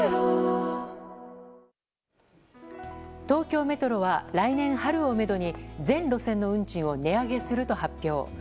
東京メトロは来年春をめどに全路線の運賃を値上げすると発表。